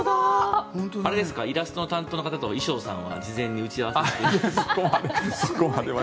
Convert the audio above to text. イラストの担当の方と衣装さんは事前に打ち合わせを。